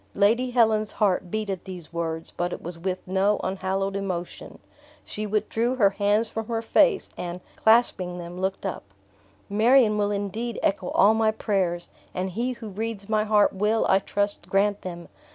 Lady Helen's heart beat at these words, but it was with no unhallowed emotion. She withdrew her hands from her face and, clasping them, looked up. "Marion will indeed echo all my prayers, and He who reads my heart will, I trust, grant them.